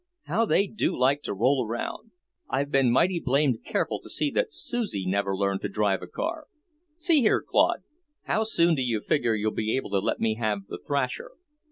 How they do like to roll around! I've been mighty blamed careful to see that Susie never learned to drive a car. See here, Claude, how soon do you figure you'll be able to let me have the thrasher?